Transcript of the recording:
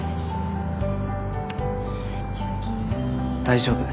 大丈夫。